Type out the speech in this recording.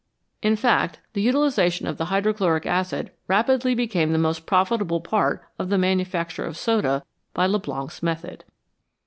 In fact, the utilisation of the hydrochloric acid rapidly became the most profitable part of the manufacture of soda by Leblanc's method.